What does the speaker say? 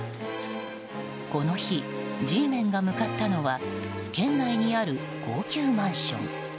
この日、Ｇメンが向かったのは県内にある高級マンション。